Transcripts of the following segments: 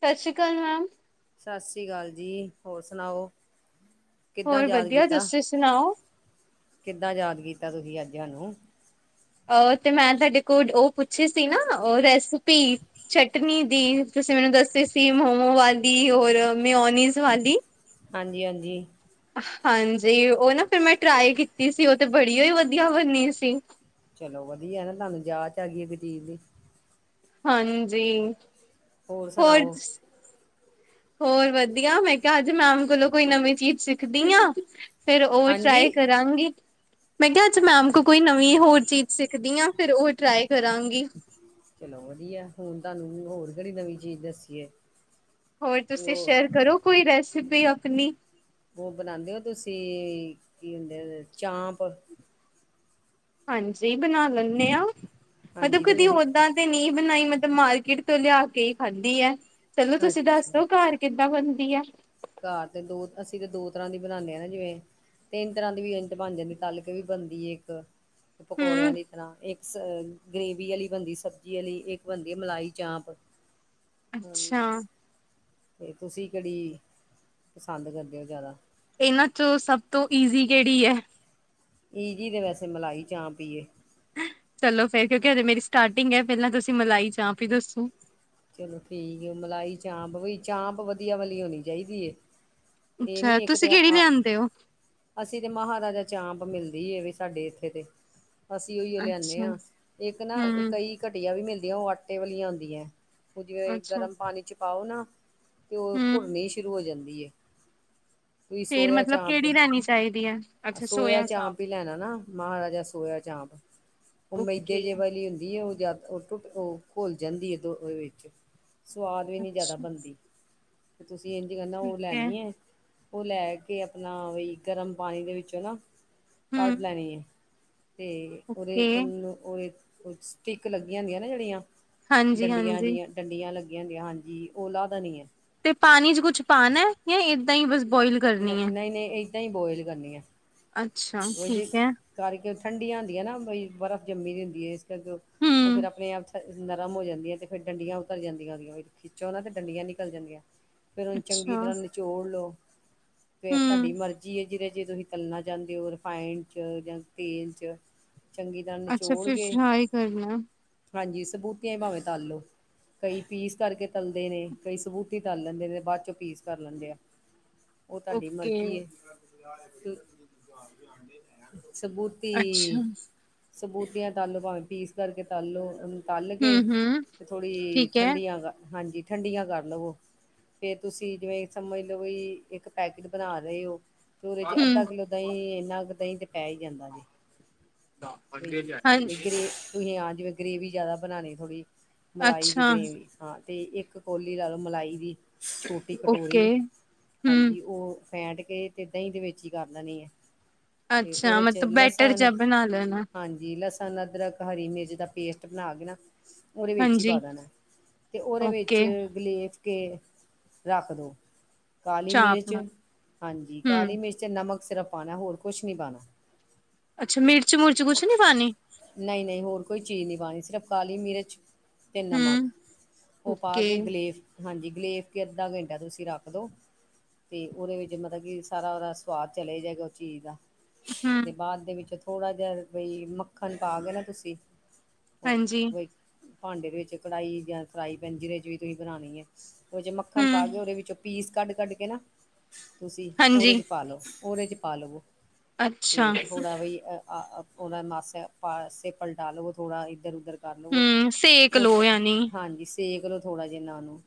ਸਤਿ ਸ਼੍ਰੀ ਅਕਾਲ ਮੈਮ। ਸਤਿ ਸ਼੍ਰੀ ਅਕਾਲ ਜੀ ਹੋਰ ਸੁਣਾਓ? ਕਿੱਦਾਂ ਹੋਰ ਯਾਦ ਵਧੀਆ ਕੀਤਾ, ਤੁਸੀਂ ਸੁਣਾਓ ਕਿੱਦਾਂ ਯਾਦ ਕੀਤਾਂ ਤੁਹੀਂ ਅੱਜ ਹਾਨੂੰ। ਅ ਤੇ ਮੈਂ ਤੁਹਾਡੇ ਕੋਲ ਓ ਪੁੱਛੇ ਸੀ ਨਾ ਓ ਰੈਸਪੀ। ਚਟਨੀ ਦੀ, ਤੁਸੀਂ ਮੈਨੂੰ ਦੱਸੇਂ ਸੀ ਮੋਮੋ ਵਾਲੀ ਔਰ ਮੇਓਨੀਜ਼ ਵਾਲੀ। ਹਾਂਜੀ- ਹਾਂਜੀ। ਹਾਂਜੀ, ਓ ਨਾ ਫਿਰ ਮੈਂ ਟਰਾਈ ਕੀਤੀ ਸੀ ਉਹ ਤੇ ਬੜੀਓ ਈ ਵਧੀਆ ਬਣੀ ਸੀ। ਚਲੋ ਵਧੀਆ ਨਾ ਤੁਹਾਨੂੰ ਜਾਚ ਆਗੀ ਇਕ ਚੀਜ ਦੀ। ਹਾਂਜੀ। ਹੋਰ ਸੁਣਾਓ? ਹੋਰ ਵਧੀਆ, ਮੈਂ ਕਿਹਾ ਅੱਜ ਮੈਮ ਕੋਲੋਂ ਕੋਈ ਨਵੀਂ ਚੀਜ਼ ਸਿੱਖਦੀ ਆ। ਫਿਰ ਓ ਹਾਂਜੀ ਟਰਾਈ ਕਰਾਂਗੀ। ਮੈਂ ਕਿਹਾ ਅੱਜ ਮੈਮ ਕੋ ਕੋਈ ਨਵੀਂ ਹੋਰ ਚੀਜ਼ ਸਿੱਖਦੀ ਆ, ਫਿਰ ਉਹ ਟਰਾਈ ਕਰਾਂਗੀ। ਚਲੋ ਵਧੀਆ, ਹੁਣ ਤੁਹਾਨੂੰ ਹੋਰ ਕਿਹੜੀ ਨਵੀਂ ਚੀਜ਼ ਦੱਸੀਏ। ਹੋਰ ਤੁਸੀਂ ਉਹ ਸ਼ੇਅਰ ਕਰੋ ਕੋਈ ਰੈਸਪੀ ਆਪਣੀ‌। ਉਹ ਬਣਾਦੇ ਓ ਤੁਸੀਂ ਕੀ ਹੁੰਦੇ ਨੇ ਚਾਂਪ? ਹਾਂਜੀ ਬਣਾ ਲੈਂਨੇ ਆ, ਮਤਲਬ ਹਾਂਜੀ ਤੇ ਕਦੀ ਤੁਸੀਂ ਓਦਾਂ ਤੇ ਨਹੀਂ ਬਣਾਈ ਮਤਲਬ ਮਾਰਕੀਟ ਤੋਂ ਲਿਆ ਕੇ ਈ ਖਾਧੀ ਐ, ਚਲੋ ਤੁਸੀਂ ਅੱਛਾ ਦੱਸਦੋ ਘਰ ਕਿਦ ਬਣਦੀ ਐ। ਘਰ ਤੇ ਦੋ, ਅਸੀਂ ਤੇ ਦੋ ਤਰ੍ਹਾਂ ਦੀ ਬਣਾਦੇ ਆ ਨਾ ਜਿਵੇਂ ਤਿੰਨ ਤਰ੍ਹਾਂ ਦੀ ਵੀ ਇੰਚ ਬਣ ਜਾਂਦੀ ਐ, ਤੱਲ ਕੇ ਵੀ ਬਣਦੀ ਏ ਇੱਕ ਪਕੌੜਿਆਂ ਹਮ ਦੀ ਤਰ੍ਹਾਂ, ਇੱਕ ਸ ਗ੍ਰੇਵੀ ਵਾਲੀ ਬਣਦੀ ਸਬਜ਼ੀ ਵਾਲੀ, ਇੱਕ ਬਣਦੀ ਮਲਾਈ ਚਾਂਪ। ਹੂੰ ਅੱਛਾ। ਤੇ ਤੁਸੀਂ ਕਿਹੜੀ ਪਸੰਦ ਕਰਦੇ ਓ ਜ਼ਿਆਦਾ? ਇਹਨਾਂ ਚੋ ਸਭ ਤੋਂ ਈਜ਼ੀ ਕਿਹੜੀ ਐ। ਈਜੀ ਤੇ ਵੈਸੇ ਮਲਾਈ ਚਾਂਪ ਈ ਏ। ਚਲੋ ਫੇਰ, ਕਿਉਂਕਿ ਹਜੇ ਮੇਰੀ ਸਟਾਰਟਿੰਗ ਐ ਪਹਿਲਾਂ ਤੁਸੀਂ ਮਲਾਈ ਚਾਂਪ ਈ ਦੱਸੋ। ਚਲੋ ਠੀਕ ਏ, ਮਲਾਈ ਚਾਂਪ ਵੀ ਚਾਂਪ ਵਧੀਆ ਵਾਲੀ ਹੋਣੀ ਚਾਹੀਦੀ ਏ। ਏ ਨੀ ਅੱਛਾ ਇੱਕ ਤੁਸੀਂ ਤੇ ਕਿਹੜੀ ਆ ਲਿਆਂਦੇ ਹੋ ਅਸੀਂ ਤੇ ਮਹਾਰਾਜਾ ਚਾਂਪ ਮਿਲਦੀ ਐ ਵੀ ਸਾਡੇ ਏਥੇ ਤੇ। ਅਸੀਂ ਉਈਓ ਲਿਆਨੇ ਅੱਛਾ ਆ, ਇੱਕ ਨਾ ਹਮ ਕਈ ਘਟੀਆ ਵੀ ਮਿਲਦੀਆਂ ਓ ਆਟੇ ਵਾਲੀਆਂ ਆਦੀਆਂ ਐ। ਉਹ ਜਿਵੇਂ ਅੱਛਾ ਗਰਮ ਪਾਣੀ 'ਚ ਪਾਓ ਨਾ ਤੇ ਉਹ ਹਮ ਭੁਰਨੀ ਸ਼ੁਰੂ ਹੋ ਜਾਂਦੀ ਏ। ਤੁਹੀ ਫੇਰ ਸੋਇਆ ਮਤਲਬ ਚਾਂਪ, ਕਿਹੜੀ ਲੈਣੀ ਚਾਹੀਦੀ ਹੈ ਆ ਅੱਛਾ ਸੋਇਆ ਚਾਂਪ ਚਾਪ ਲੈਣਾ ਨਾ ਮਹਾਰਾਜਾ ਸੋਇਆ ਚਾਂਪ, ਉਹ ਮੈਦੇ ਓਕੇ ਜੇ ਵਾਲੀ ਹੁੰਦੀ ਐ ਉਹ ਜਿਆ ਟੁੱਟ ਉਹ ਘੁੱਲ ਜਾਂਦੀ ਐ ਉਹਦੇ ਵਿੱਚ, ਸਵਾਦ ਵੀ ਨੀਂ ਜ਼ਿਆਦਾ ਅੱਛਾ ਬਣਦੀ। ਤੇ ਤੁਸੀਂ ਇੰਝ ਕਰਨਾ, ਓ ਠੀਕ ਹੈ ਲੈਣੀ ਏ। ਉਹ ਲੈ ਕੇ ਆਪਣਾ, ਵਈ ਗਰਮ ਪਾਣੀ ਦੇ ਵਿੱਚੋਂ ਨਾ ਹਮ ਕੱਢ ਲੈਣੀ ਐ। ਤੇ ਉਹਦੇ ਓਕੇ ਉਹਨੂੰ ਉਹਦੇ ਸਟੀਕ ਲੱਗੀਆਂ ਹੁੰਦੀਆਂ ਨਾ ਜਿਹੜੀਆਂ। ਡੰਡੀਆਂ ਹਾਂਜੀ-ਹਾਂਜੀ ਜਿਹੀਆਂ ਡੰਡੀਆਂ ਲੱਗੀਆਂ ਹੁੰਦੀਆਂ ਹਾਂਜੀ ਉਹ ਲਾ ਦੇਣੀਆਂ। ਤੇ ਪਾਨੀ 'ਚ ਕੁਛ ਪਾਨਾ ਏਂ ਜਾਂ ਏਦਾਂ ਹੀ ਬਸ ਬੋਇਲ। ਨਹੀਂ- ਕਰਨੀ ਐ? ਨਹੀਂ, ਨਹੀਂ ਏਦਾਂ ਹੀ ਬੋਇਲ ਕਰਨੀ ਹੈ। ਅੱਛਾ ਉ ਜੇ ਠੀਕ ਐ ਕਰਕੇ ਠੰਡੀਆਂ ਹੁੰਦੀਆਂ ਨਾ ਬਈ ਬਰਫ਼ ਜੰਮੀ ਦੀ ਹੁੰਦੀ ਹੈ। ਅੱਗੋਂ ਉਹ ਫੇਰ ਹੂੰ ਆਪਣੇ ਆਪ 'ਚ। ਨਰਮ ਹੋ ਜਾਂਦੀ ਹੈ ਤੇ ਫੇਰ ਡੰਡੀਆਂ ਉਤਰ ਜਾਂਦੀਆਂ ਉਹਦੀਆਂ ਖਿੱਚੋ ਨਾ ਤੇ ਡੰਡੀਆਂ ਨਿਕਲ ਜਾਂਦੀਆਂ। ਫੇਰ ਉਹਨੂੰ ਚੰਗੀ ਅੱਛਾ ਤਰਾਂ ਨਿਚੋੜ ਲੋ। ਫੇਰ ਤੁਹਾਡੀ ਹੂੰ ਮਰਜ਼ੀ ਐ ਜਿਹਦੇ 'ਚ ਤੁਸੀਂ ਤਲਣਾ। ਚਾਹੀਦੇ ਹੋ ਰਿਫਾਇੰਡ 'ਚ ਜਾਂ ਤੇਲ 'ਚ। ਚੰਗੀ ਤਰਾਂ ਅੱਛਾ ਨਿਚੋੜ ਫਿਰ ਕੇ, ਫਰਾਈ ਕਰਨਾ ਹਾਂਜੀ ਸਬੂਤੀਆਂ ਹੀ ਭਾਵੇਂ ਤਲ ਲੋ। ਕਈ ਪੀਸ ਕਰਕੇ ਤਲਦੇ ਨੇ, ਕਈ ਸਬੂਤੀ ਤਲ ਲੈਂਦੇ ਨੇ, ਬਾਅਦ ਚੋਂ ਪੀਸ ਕਰ ਲੈਂਦੇ ਆ। ! ਉਹ ਤੁਹਾਡੀ ਮਰਜ਼ੀ ਹੈ, ਕਿ ਸਬੂਤ। ਤੀ ਅੱਛਾ ਸਬੂਤੀਆਂ ਤਾਲੋ ਭਾਵੇਂ ਪੀਸ ਕਰਕੇ ਤਾਲੋ। ਤਲ ਕੇ ਹੂੰ-ਹੂੰ ਤੇ ਥੋੜੀ ਠੀਕ ਐ ਠੰਡੀਆਂ ਹਾਂਜੀ ਠੰਡੀਆਂ ਕਰ ਲਵੋ। ਫੇਰ ਤੁਸੀਂ ਜਿਵੇਂ ਸਮਝ ਲਓ ਬਈ ਇੱਕ ਪੈਕੇਟ ਬਣਾ ਰਹੇ ਹੋ। ਪੂਰੇ 'ਚ ਅੱਧਾ ਹੂੰ ਕਿੱਲੋ ਦਹੀਂ ਇੰਨਾ ਕੁ ਦਹੀਂ ਤੇ ਪੈ ਹੀ ਜਾਂਦਾ ਵੇ। ਵੀ ਜੇ ਹਾਂਜੀ ਗੇ੍ ਤੁਸੀਂ ਹਾਂ ਜਿਵੇਂ ਗ੍ਰੇਵੀ ਜਿਆਦਾ ਬਣਾਉਣੀ ਥੋੜੀ ਮਲਾਈ ਦੀ ਅੱਛਾ ਗ੍ਰੇਵੀ। ਹਾਂ ਤੇ ਇੱਕ ਕੋਲੀ ਲੈ ਲਓ ਮਲਾਈ ਦੀ ਛੋਟੀ ਓਕੇ ਕਟੋਰੀ ਹੂੰ ਹਾਂਜੀ ਉਹ। ਫੈਂਟ ਕੇ ਤੇ ਦਹੀਂ ਦੇ ਵਿੱਚ ਹੀ ਕਰ ਦੇਣੀ ਹੈ ਤੇ ਉਹਦੇ 'ਚ ਲਸਣ। ਨਹਾ ਲੈਣਾ। ਹਾਂਜੀ ਲਸਣ, ਅਦਰਕ, ਹਰੀ ਮਿਰਚ ਦਾ ਪੇਸਟ ਬਣਾ ਕੇ ਨਾ। ਉਹਦੇ ਵਿੱਚ ਹੀ ਪਾ ਹਾਂਜੀ ਦੇਣਾ ਐ, ਤੇ ਉਹਦੇ ਵਿੱਚ ਓਕੇ ਗਲੇਸ ਕੇ ਰੱਖ ਦਿਉ। ਕਾਲੀ ਚਾਪ ਮਿਰਚ ਨਾਲ ਹਾਂਜੀ, ਹੂੰ ਕਾਲੀ ਮਿਰਚ, ਨਮਕ ਸਿਰਫ਼ ਪਾਣਾ ਹੋਰ ਕੁਛ ਨਈ ਪਾਣਾ। ਅੱਛਾ ਮਿਰਚ- ਮੁਿਰਚ ਕੁਛ ਨੀ ਪਾਨੀ। ਨਹੀਂ- ਨਹੀਂ ਹੋਰ ਕੋਈ ਚੀਜ਼ ਨਹੀਂ ਪਾਣੀ ਸਿਰਫ਼ ਕਾਲੀ ਮਿਰਚ। ਤੇ ਨਮਕ ਹੂੰ ਉਹ ਪਾ ਓਕੇ ਕੇ ਗਲੇਫ ਹਾਂਜੀ ਗਲੇਫ ਕੇ ਅੱਧਾ ਘੰਟਾ ਤੁਸੀਂ ਰੱਖ ਦਿਉ। ਤੇ ਉਹਦੇ ਵਿੱਚ ਮਤਲਬ ਕਿ ਸਾਰਾ ਉਹਦਾ ਸਵਾਦ ਚਲੇ ਜਾਏਗਾ ਉ ਚੀਜ਼ ਦਾ। ਹੂੰ ਤੇ ਬਾਅਦ ਦੇ ਵਿੱਚ ਥੋੜਾ ਜਿਹਾ ਬਈ ਮੱਖਣ ਪਾ ਕੇ ਨਾ ਤੁਸੀਂ। ਹੋ ਹਾਂਜੀ ਕੋ ਭਾਂਡੇ ਦੇ ਵਿੱਚ ਕੜਾਈ ਜਾਂ ਫਰਾਈ ਪੈਨ ਜਿਹਦੇ 'ਚ ਵੀ ਤੁਸੀਂ ਬਣਾਣੀ ਹੈ। ਉਹ ਚੋਂ ਮੱਖਣ ਪਾ ਕੇ ਹੂੰ, ਉਹਦੇ ਵਿੱਚੋਂ ਪੀਸ ਕੱਢ- ਕੱਢ ਕੇ ਨਾ। ਤੁਸੀਂ ਉਹਦੇ ਹਾਂਜੀ, 'ਚ ਪਾ ਲੋ, ਉਹਦੇ 'ਚ ਪਾ ਲਵੋ। ਤੇ ਅੱਛਾ, ਥੋੜਾ ਬਾਈ ਉਹਨਾ ਮਾਸੇ- ਪਾਸੇ ਪਲਟਾ ਲਵੋ ਥੋੜਾ ਇੱਧਰ- ਉੱਧਰ। ਕਰ ਲਵੋ ਹੂੰ ਸੇਕ ਉਹ ਲੋ ਯਾਨੀ ਹਾਂਜੀ। ਸੇਕ ਲੋ ਥੋੜਾ ਜਿਹਾ ਇਹਨਾਂ ਨੂੰ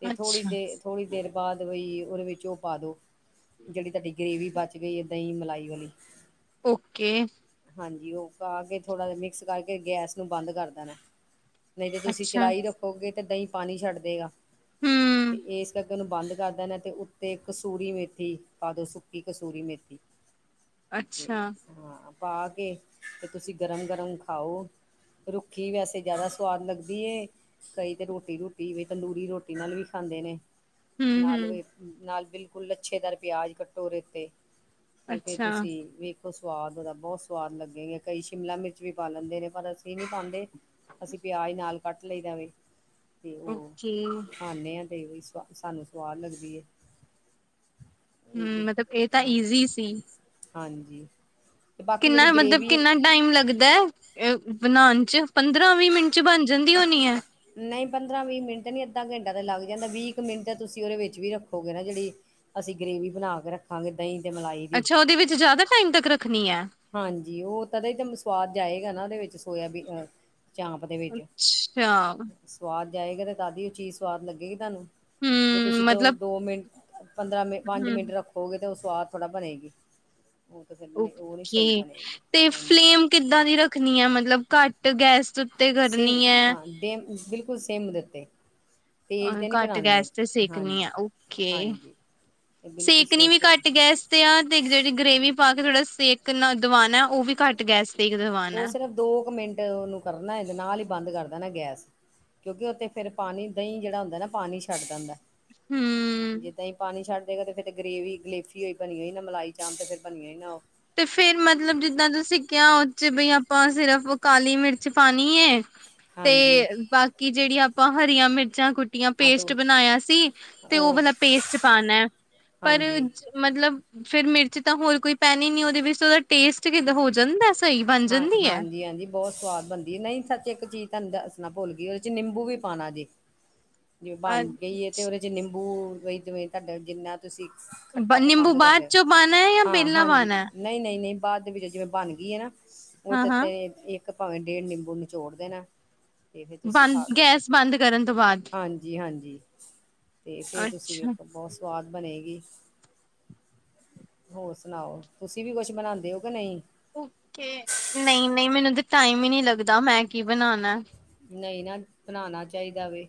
ਤੇ ਥੋੜੀ ਅੱਛਾ, ਦੇ ਥੋੜੀ ਦੇਰ ਬਾਅਦ ਵੀ ਉਹਦੇ ਵਿੱਚ ਉਹ ਪਾ ਦੋ। ਜਿਹੜੀ ਤੁਹਾਡੀ ਗ੍ਰੇਵੀ ਬਚ ਗਈ ਹੈ ਦਹੀਂ ਮਲਾਈ ਵਾਲੀ। ਓਕੇ। ਹਾਂਜੀ ਉਹ ਖਾ ਕੇ ਥੋੜਾ ਜਹਾ ਮਿਕਸ ਕਰਕੇ ਗੈਸ ਨੂੰ ਬੰਦ ਕਰ ਦੇਣਾ ਨਹੀਂ ਜੇ ਤੁਸੀਂ ਅੱਛਾ, ਚਲਾਈ ਰੱਖੋਗੇ ਤਾਂ ਦਹੀਂ ਪਾਣੀ ਛੱਡ ਦੇਗਾ। ਹੂੰ। ਤੇ ਇਸ ਕਰਕੇ ਉਹਨੂੰ ਬੰਦ ਕਰ ਦੇਣਾ ਤੇ ਉੱਤੇ ਕਸੂਰੀ ਮੇਥੀ ਪਾ ਦੋ ਸੁੱਕੀ ਕਸੂਰੀ ਮੇਥੀ। ਹਮ ਹਾਂ ਪਾ ਕੇ ਤੇ ਤੁਸੀਂ ਗਰਮ- ਗਰਮ ਖਾਓ। ਰੁੱਖੀ ਵੈਸੇ ਜਾ਼ਦਾ ਸਵਾਦ ਲੱਗਦੀ ਐ। ਕਈ ਤੇ ਰੋਟੀ- ਰੂਟੀ ਵੀ ਤੰਦੂਰੀ ਰੋਟੀ ਨਾਲ ਵੀ ਖਾਂਦੇ ਨੇ। ਨਾਲ ਹੂੰ-ਹੂੰ, ਓਦੇ ਨਾਲ ਬਿਲਕੁਲ ਲੱਛੇਦਾਰ ਪਿਆਜ ਕੱਟੋ ਓਦੇ ਤੇ। ਤੇ ਫੇਰ ਅੱਛਾ, ਤੁਸੀਂ ਵੇਖੋ ਸਵਾਦ ਓਦਾ। ਬੋਤ ਸਵਾਦ ਲੱਗੇ ਗੇ, ਕਈ ਸ਼ਿਮਲਾ ਮਿਰਚ ਵੀ ਪਾ ਲੈਂਦੇ ਨੇ ਪਰ ਅਸੀਂ ਨੀਂ ਪਾਾਂਦੇ, ਅਸੀਂ ਪਿਆਜ ਨਾਲ ਕੱਟ ਲਈਦਾਵੇ, ਤੇ ਓ ਓਕੇ, ਹੂੰ ਖਾਂਦੇ ਆ ਤੇ ਸਾਨੂੰ ਸਵਾਦ ਲੱਗਦੀ ਏ। ਹੁੰ ਮੈਂ ਤੇ ਫ਼ੇ ਤਾਂ ਏਤੇ ਈਜ਼ੀ ਸੀ। ਹਾਂਜੀ। ਤੇ ਬਾਕੀ ਜਿਹੜੀ ਕਿੰਨਾ ਮਤਲਬ ਗ੍ਰੇਵੀ ਕਿੰਨਾ ਟਾਈਮ ਲੱਗਦਾ ਅ ਬਨਾਣ ਚ, ਪੰਦਰਾਂ-ਵੀਹ ਮਿੰਟ ਚ ਬਣ ਜਾਂਦ ਦੀ ਹੋਨੀਂ ਏ। ਨਈਂ ਪੰਦਰਾਂ-ਵੀਹ ਮਿੰਟ ਨੀ ਅੱਧਾ ਘੰਟਾ ਤੇ ਲੱਗ ਜਾਂਦਾ, ਵੀਹ ਕੁ ਮਿੰਟ ਤੁਸੀਂ ਓਦੇ ਵਿੱਚ ਵੀ ਰੱਖੋਗੇ ਨਾ ਜੇੜੀ ਅਸੀਂ ਗ੍ਰੇਵੀ ਬਨਾ ਕੇ- ਰੱਖਾਂਗੇ, ਦਈਂ ਤੇ ਮਲਾਈ ਦੀ ਅੱਛਾ, ਓਦੇ ਵਿੱਚ ਜਾਦਾ ਟਾਈਮ ਤੱਕ ਰੱਖਣੀ ਏ। ਹਾਂਜੀ, ਓ ਤਦੇ ਤੇ ਸਵਾਦ ਜਾਏਗਾ ਨਾ ਓਦੇ ਵਿੱਚ ਸੋਯਾਬੀਨ ਚਾਂਪ ਦੇ ਵਿੱਚ ਅੱਛਾ, ਸਵਾਦ ਜਾਏਗਾ, ਤੇ ਤਾਦੀ ਓ ਚੀਜ਼ ਸਵਾਦ ਲੱਗੇਗੀ ਤੁਆਨੂੰ। ਜੇ ਹੂੰ ਤੁਸੀਂ ਦੋ ਮਤਲਬ ਦੋ ਮਿੰਟ ਪੰਦਰਾਂ ਮਿੰਟ, ਪੰਜ ਹੂੰ ਮਿੰਟ ਰੱਖੋ ਗੇ ਤੇ ਓ ਸਵਾਦ ਥੋੜਾ ਬਣੇਗੀ। ਓ ਤਾਂ ਫ਼ੇਰ ਓ ਨਈ ਓਕੇ ਤੇ ਫਲੇਮ ਕਿੱਦਾਂ ਦੀ ਰੱਖਣੀ ਆਂ, ਮਤਲਬ ਘੱਟ ਗੈਸ ਤੋਂ ਸਿਮ ਹਾਂ, ਸਿਮ ਬਿਲਕੁਲ ਸਿਮ ਦੇ ਉੱਤੇ। ਅ ਤੇਜ ਤਾਂ ਨਈਂ ਘੱਟ ਬਣਾਣੀ ਗੈਸ ਤੇ ਸੇਕਣੀ ਹਾਂਜੀ, ਆ ਓਕੇ ਹਾਂਜੀ। ਏ ਬਿਲਕੁਲ ਸੇਕਣੀ ਸੇਕ ਵੀ ਤੇ ਘੱਟ ਗੈਸ ਤੇ ਆਹ ਤੇ ਜੇੜੀ ਗ੍ਰੇਵੀ ਪਾ ਕੇ ਥੋੜਾ ਸੇਕ ਕਿੰਨਾ ਦਵਾਨਾ ਓ ਵੀ ਘੱਟ ਗੈਸ ਤੇ ਈ ਉਹ ਦਵਾਨਾਂ? ਸਿਰਫ ਦੋ ਕੁ ਮਿੰਟ ਓਨੁ ਕਰਨਾ ਏ ਤੇ ਨਾਲ ਈਂ ਬੰਦ ਕਰ ਦੇਣਾ ਗੈਸ। ਕਿਉਂਕਿ ਓਥੇ ਫੇਰ ਪਾਣੀ, ਦਈਂ ਜੇੜਾ ਹੁੰਦਾ ਨਾ ਪਾਣੀ ਛੱਡ ਦਿੰਦਾ, ਜੇ ਹਮ ਦਈਂ ਪਾਣੀ ਛੱਡ ਫਿਰ ਤੇ ਗਰੇਵੀ ਗਲੇਸੀ ਹੋਈ ਬਣੀ ਹੋਈ ਨਾ ਮਲਾਈ ਚਾਪ ਤੇ ਫੇਰ ਰ ਬਣੀਓ ਨਾ ਓ। ਤੇ ਫੇਰ ਮਤਲਬ ਜਿੱਦਾਂ ਤੁਸੀਂ ਕੇਯਾ ਓਦ 'ਚ ਬਈ ਆਪਾਂ ਸਿਰਫ ਕਾਲੀ ਮਿਰਚ ਪਾਣੀ ਏ ਹਾਂਜੀ ਤੇ ਬਾਕੀ ਜੇੜੀਆਂ ਆਪਾਂ ਹਰੀਆਂ ਮਿਰਚਾਂ ਕੁੱਟ ਟੀਆਂ ਹਾਂ ਤੇ ਪੇਸਟ ਬਨਾਯਾ ਸੀ, ਤੇ ਓ ਉਹ ਵਾਲਾ ਪੇਸਟ ਪਾਨਾ, ਪਰ ਹਾਂਜੀ ਮਤਲਬ ਫੇਰ ਮਿਰਚ ਤਾਂ ਹੋਰ ਕੋਈ ਪੈਨੀ ਨੀ ਓਦੇ ਵਿੱਚ ਤੇ ਓਦਾ ਟੇਸਟ ਕਿੱਦਾਂ ਹੋ ਜਾਂਦਾ? ਸਈ ਬਣ ਜਾਂਦੀ ਏ? ਬੋਤ ਸਵਾਦ ਬਣਦੀਏ ਨਈਂ, ਸੱਚ ਏਕ ਚੀਜ਼ ਤੁਆਨੂੰ ਦੱਸਣਾ ਭੁੱਲ ਗਈ, ਓਦੇ ਚ ਨਿੰਬੂ ਵੀ ਪਾਉਣਾ ਜੇ। ਬਣ ਅ ਗਈਏ ਤੇ ਓਦੇ ਚ ਨਿੰਬੂ, ਵਈ ਤੇ ਵੇ ਤੁਆਡਾ ਜਿੰਨਾ ਤੁਸੀਂ ਖੱਟਾ ਨਿੰਬੂ ਪਸੰਦ ਬਾਅਦ ਕਰਦੇ ਚੋਂ ਪਾਉਣਾ ਹੈ ਜਾਂ ਓ, ਪਹਿਲਾਂ ਹਾਂਜੀ। ਪਾਉਣਾ ਹੈ? ਨਈਂ, ਨਈਂ-ਨਈਂ ਬਾਦ ਦੇ ਵਿੱਚ ਜਿਵੇਂ ਬਣ ਗਈ ਏਨਾ ਹਾਂ ਓਦੇ, ਹਾਂ ਤੇ ਤੇ ਭਾਵੇਂ ਡੇਢ ਨਿੰਬੂ ਨਿਚੋੜ ਦੇਨਾ। ਤੇ ਫੇਰ ਤੁਸੀਂ ਖਾ ਬੰਦ ਅ, ਗੈਸ ਬੰਦ ਕਰਨ ਤੋਂ ਬਾਅਦ ਹਾਂਜੀ-ਹਾਂਜੀ। ਤੇ ਫੇਰ ਤੁਸੀਂ ਅੱਛਾ ਵੇਖੋ, ਬੋਤ ਸਵਾਦ ਬਣੇਗੀ। ਹੋਰ ਸੁਨਾਓ, ਤੁਸੀਂ ਵੀ ਕੁਛ ਬਨਾਂਦੇ ਓ, ਕੇ ਨਈਂ? ਓਕੇ, ਨਈਂ-ਨਈਂ ਮੈਨੂੰ ਤੇ ਟਾਈਮ ਈ ਨਈਂ ਲੱਗਦਾ, ਮੈਂ ਕੀ ਬਨਾਨੈ? ਨਈਂ ਨਾ, ਬਨਾਨਾ ਚਾਈਦਾ ਵੇ।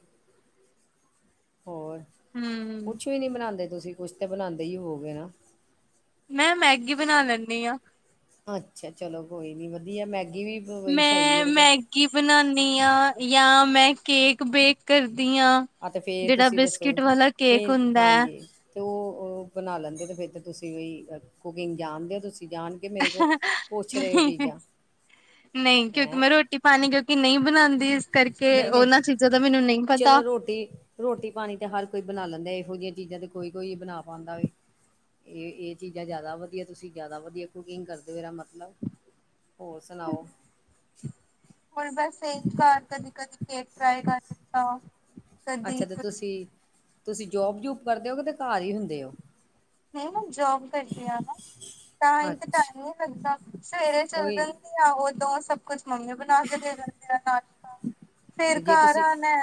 ਹੋਰ, ਹਮ ਕੁਛ ਵੀ ਨੀ ਬਨਾਂਦੇ ਤੁਸੀਂ, ਕੁਛ ਤੇ ਬਨਾਂਦੇ ਈ ਹੋਵੋ ਗੇਨਾਂ? ਮੈਂ, ਮੈਗੀ ਬਨਾ ਲੈਂਨੀ ਆਂ। ਅੱਛਾ, ਚਲੋ ਕੋਈ ਨੀ ਵਧੀਆ ਮੈਗੀ ਵੀ। ਬਈ ਸਹੀ ਹੈ ਮੈਂ ਵਿਚ ਮੈਗੀ ਬਨਾਨੀ ਆਂ ਯਾਂ ਮੈਂ ਕੇਕ ਬੇਕ ਕਰਦੀ ਆਂ। ਆ ਤੇ ਫੇਰ ਤੁਸੀਂ ਦੱਸੋ, ਏ ਹੁੰਦਾ ਹੈ ਹਾਂਜੀ? ਤੇ ਓ, ਓ ਬਣਾ ਲੈਂਦੇ ਤੇ ਫਿਰ ਤਾਂ ਤੁਸੀਂ ਵੀ ਕੁਕਿੰਗ ਜਾਣਦੇ ਹੋ ਤੁਸੀਂ ਜਾਣ ਕੇ ਮੇਰੇ ਕੋਲ ਪੁੱਛ ਰਹੇ ਹੋ ਚੀਜ਼ਾਂ ਨਹੀਂ, ਕਿਉਂਕਿ ਹੈਂ ਮੈਂ ਰੋਟੀ ਪਾਣੀ ਕਿਉਂਕਿ ਨਹੀਂ ਬਣਾਦੀ, ਇਸ ਕਰਕੇ ਉਹਨਾਂ ਚੀਜ਼ਾਂ ਦਾ ਮੈਨੂੰ ਨਹੀਂ ਪਤਾ। ਘੁਟੀ ਰੋਟੀ ਪਾਣੀ ਤੇ ਹਰ ਕੋਈ ਬਣਾ ਲੈਂਦਾ, ਇਹੋ ਜਿਹੀਆਂ ਚੀਜ਼ਾਂ ਤੇ ਕੋਈ ਕੋਈ ਬਣਾ ਪਾਂਦਾ ਵੈ। ਇਹ ਇਹ ਚੀਜ਼ਾਂ ਜ਼ਿਆਦਾ ਵਧੀਆ, ਤੁਸੀਂ ਜ਼ਿਆਦਾ ਵਧੀਆ ਕੁਕਿੰਗ ਕਰਦੇ ਹੋ ਮੇਰਾ ਮਤਲਬ। ਹੋਰ ਸੁਣਾਓ? ਹੁਣ ਬਸ ਕਰ ਕਦੀ ਕਦੀ ਕੇਕ ਟਰਾਾਈ ਕਰ ਦਿੱਤਾ। ਕਦੀ ਅੱਛਾ ਤੇ ਤੁਸੀਂ, ਤੁਸੀਂ ਜੋਬ ਜੂਬ ਕਰਦੇ ਹੋ, ਕਿ ਤੇ ਘਰ ਹੀ ਹੁੰਦੇ ਹੋ? ਨਹੀਂ ਮੈਂ ਜੋਬ ਕਰਦੀ ਆ ਨਾ, ਤਾਂਹੀ ਅੱਛਾ ਟਾਈਮ ਨੀ ਲੱਗਦਾ ਸਵੇਰੇ ਚਲ ਉਹੀ ਜਾ ਉਦੋਂ ਸਭ ਕੁਛ ਮੰਮੀ ਬਣਾ ਕੇ ਦੇ ਦਿੰਦੇ ਆ ਨਾਸ਼ਤਾ, ਫੇਰ ਤੇ ਜੇ ਘਰ ਤੁਸੀਂ ਆਨਾ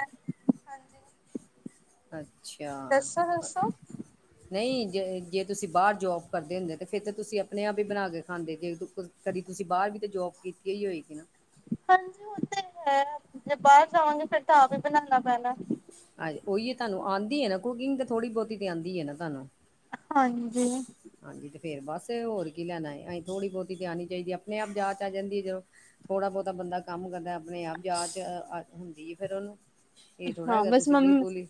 ਅੱਛਾ! ਦੱਸੋ ਦੱਸੋ ਨਹੀਂ ਜੇ, ਜੇ ਤੁਸੀਂ ਬਾਹਰ ਜੋਬ ਕਰਦੇ ਹੁੰਦੇ ਤਾਂ, ਫਿਰ ਤਾਂ ਤੁਸੀਂ ਆਪਣੇ ਆਪ ਹੀ ਬਣਾ ਕੇ ਖਾਂਦੇ ਜੇ ਕਦੀ ਤੁਸੀਂ ਬਾਰ ਵੀ ਤਾਂ ਜੋਬ ਕੀਤੀ ਹੀ ਹੋਏਗੀ ਨਾ? ਹਾਂਜੀ ਉਹ ਤੇ ਹੈ, ਜੇ ਬਾਹਰ ਜਾਵਾਂਗੇ ਫਿਰ ਤਾਂ ਆਪ ਹੀ ਬਣਾਣਾ ਪੈਣਾ। ਹਾਂ ਉਹੀ ਹੈ ਤੁਹਾਨੂੰ ਆਂਦੀ ਹੈ ਨਾ ਕੁਕਿੰਗ ਤੇ ਥੋੜੀ ਬਹੁਤੀ ਤੇ ਆਂਦੀ ਏ ਨਾ ਤੁਹਾਨੂੰ। ਹਾਂਜੀ। ਹਾਂਜੀ ਤੇ ਫੇਰ ਬਸ ਹੋਰ ਕੀ ਲੈਣਾ ਏ, ਅਸੀਂ ਥੋੜ੍ਹੀ ਬਹੁਤੀ ਤੇ ਆਣੀ ਚਾਹੀਦੀ ਹੈ ਆਪਣੇ ਆਪ ਜਾਚ ਆ ਜਾਂਦੀ ਹੈ ਜਦੋਂ ਥੋੜਾ ਬਹੁਤਾ ਬੰਦਾ ਕੰਮ ਕਰਦਾ, ਆਪਣੇ ਆਪ ਜਾ ਚ ਹੁੰਦੀ ਹੈ ਫਿਰ ਉਹਨੂੰ। ਇਹ ਥੋੜਾ ਹਾਂ ਹੈਗਾ ਬਸ ਤੁਸੀਂ ਮੰਮੀ, ਬਿਲਕੁਲ ਹੀ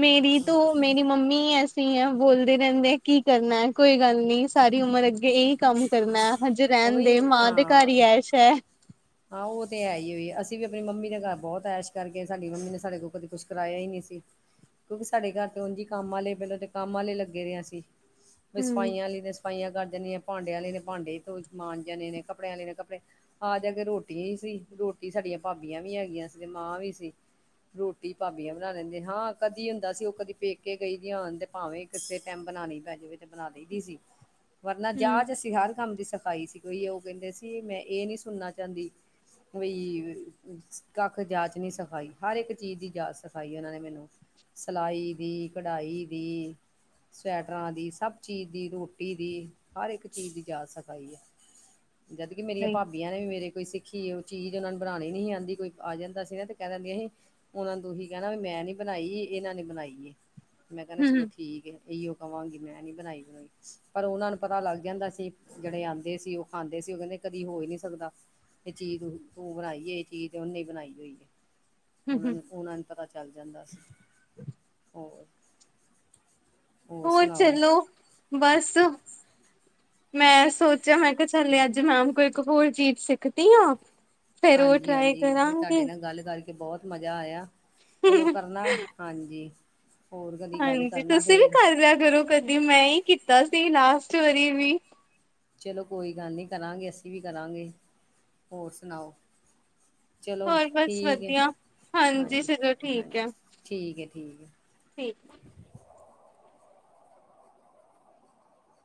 ਮੇਰੀ ਤੋ ਮੇਰੀ ਮੰਮੀ ਸੀ ਹ ਬੋਲਦੇ ਰਹਿੰਦੇ ਕੀ ਕਰਨਾ ਐ, ਕੋਈ ਗੱਲ ਨੀ ਸਾਰੀ ਉਮਰ ਅੱਗੇ ਈ ਕੰਮ ਕਰਨਾ, ਹਜੇ ਉਹ ਰਹਿਣ ਦੇ, ਵੀ ਮਾਂ ਦੇ ਘਰ ਹਾਂ ਹੀ ਐਸ਼ ਹੈ। ਹਾਂ ਉਹ ਤੇ ਹੈ ਹੀ ਹੋਈ, ਅਸੀਂ ਵੀ ਆਪਣੀ ਮੰਮੀ ਦੇ ਘਰ ਬਹੁਤ ਐਸ਼ ਕਰਕੇ ਸਾਡੀ ਮੰਮੀ ਨੇ ਸਾਡੇ ਕੋਲ ਕਦੇ ਕੁਛ ਕਰਾਇਆ ਹੀ ਨਹੀਂ ਸੀ। ਕਿਉਂਕਿ ਸਾਡੇ ਘਰ ਤੇ ਉਂਝ ਹੀ ਕੰਮ ਵਾਲੇ, ਪਹਿਲਾਂ ਕੰਮ ਵਾਲੇ ਲੱਗੇ ਰਹੇ ਸੀ। ਵੀ ਹੂੰ ਸਫਾਈਆਂ ਵਾਲੀ ਨੇ ਸਫਾਈਆਂ ਕਰ ਦੇਣੀਆਂ, ਭਾਂਡਿਆਂ ਵਾਲੇ ਨੇ ਭਾਂਡੇ ਤੋਂ ਧੋ ਮਾਂਝ ਜਾਣੇ ਨੇ, ਕੱਪੜਿਆਂ ਵਾਲੇ ਨੇ ਕੱਪੜੇ ਇਕ ਕੇ ਰੋਟੀਓ ਹੀ ਸੀ, ਰੋਟੀ ਸਾਡੀਆਂ ਭਾਬੀਆਂ ਵੀ ਹੈਗੀਆਂ ਸੀ ਤੇ ਮਾਂ ਵੀ ਸੀ। ਰੋਟੀ ਭਾਬੀਆਂ ਬਣਾ ਲੈਂਦੇ, ਹਾਂ ਕਦੀ ਹੁੰਦਾ ਸੀ ਉਹ ਕਦੀ ਪੇਕੇ ਗਈ ਦੀ ਹੋਣ ਤੇ ਭਾਵੇਂ ਕਿਸੇ ਟਾਈਮ ਬਣਾਣੀ ਪੈ ਜਾਵੇ, ਤੇ ਬਣਾ ਦੇ ਦਈ ਸੀ। [unintelligible] ਵਰਨਾ ਜਾਚ ਅਸੀਂ ਹਰ ਕੰਮ ਦੀ ਸਿਖਾਈ ਸੀ, ਕੋਈ ਉਹ ਕਹਿੰਦੇ ਸੀ ਮੈਂ ਇਹ ਨਹੀਂ ਸੁਣਨਾ ਚਾਂਦੀ ਵੋਈ ਕੱਖ ਜਾਚ ਨੀ ਸਿਖਾਈ, ਹਰ ਇੱਕ ਚੀਜ਼ ਦੀ ਜਾਚ ਸਿਖਾਈ ਉਹਨਾਂ ਨੇ ਮੈਨੂੰ। ਸਿਲਾਈ ਦੀ, ਕਢਾਈ ਦੀ ਸਵੈਟਰਾਂ ਦੀ, ਸਭ ਚੀਜ਼ ਦੀ ਰੋਟੀ ਦੀ, ਹਰ ਇੱਕ ਚੀਜ਼ ਦੀ ਜਾਚ ਸਖਾਈ ਆ। [unintelligible] ਜਦਕਿ ਮੇਰੀਆਂ ਨਹੀਂ ਭਾਬੀਆਂ ਨੇ ਵੀ ਮੇਰੇ ਕੋਈ ਸਿੱਖੀ ਉਹ ਚੀਜ਼ ਉਹਨਾ ਨੂੰ ਬਣਾਣੀ ਨਹੀਂ ਆਂਦੀ ਹੀ ਕੋਈ ਆ ਜਾਂਦਾ ਸੀ ਨਾ ਤੇ ਕਹਿ ਦਿੰਦੀਆਂ ਹੀ ਉਹਨਾਂ ਨੂੰ ਤੁਹੀਂ ਕਹਿਣਾ ਵੀ ਮੈਂ ਨੀ ਬਣਾਈ, ਇਹਨਾਂ ਨੇ ਬਣਾਈ ਏ, ਮੈਂ ਕਹਿਣਾ ਚਲੋ ਠੀਕ ਹੈ। ਇਹੀਓ ਕਵਾਂਗੀ, ਮੈਂ ਨੀ ਬਣਾਈ ਬੁਣਾਈ ਪਰ ਉਹਨਾਂ ਨੂੰ ਪਤਾ ਲੱਗ ਜਾਂਦਾ ਸੀ, ਜਿਹੜੇ ਆਂਦੇ ਸੀ, ਉਹ ਖਾਂਦੇ ਸੀ, ਉਹ ਕਹਿੰਦੇ ਕਦੀ ਹੋ ਹੀ ਨਹੀਂ ਸਕਦਾ ਤੇ ਚੀਜ਼ ਤੂੰ ਬਣਾਈ ਏ ਇਹ ਚੀਜ਼ ਤੇ ਉਹਨੇ ਬਣਾਈ ਹੋਈ ਹੈ। ਉਹਨਾਂ ਹੂੰ ਨੂੰ, ਓਹਨਾਂ ਨੂੰ ਪਤਾ ਚੱਲ ਜਾਂਦਾ ਸੀ। ਹੋਰ! ਹੋਰ ਚਲੋ, ਬਸ ਮੈਂ ਸੋਚਿਆ ਮੈਂ ਕਿਹਾ ਚੱਲ ਅੱਜ ਮੈਮ ਕੋ ਇੱਕ ਹੋਰ ਚੀਜ਼ ਸਿੱਖਦੀ ਆ। ਹਾਂਜੀ, ਹਾਂਜੀ ਵੀ ਤੁਹਾਡੇ ਨਾਲ ਗੱਲ ਕਰ ਕੇ ਬਹੁਤ ਮਜ਼ਾ ਆਇਆ, ਚਲੋ ਕਰਨਾ, ਹਾਂਜੀ। ਹੋਰ ਕਦੀ ਗੱਲ ਹਾਂਜੀ ਕਰਨਾ ਤੁਸੀਂ ਵੀ ਫੇਰ ਕਰ ਲਿਆ ਕਰੋ ਕਦੀ ਮੈਂ ਹੀ ਕੀਤਾ ਸੀ ਲਾਸਟ ਵਾਰੀ ਵੀ। ਚਲੋ ਕੋਈ ਗੱਲ ਨਹੀਂ ਕਰਾਂਗੇ ਅਸੀਂ ਵੀ ਕਰਾਂਗੇ, ਹੋਰ ਸੁਣਾਓ। ਚਲੋ ਹੋਰ ਬਸ ਠੀਕ ਹੈ, ਵਧੀਆ ਹਾਂਜੀ, ਚਲੋ ਠੀਕ ਹਾਂਜੀ ਹੈ ਠੀਕ ਏ ਠੀਕ ਏ। ਠੀਕ।